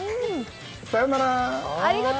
さよなら。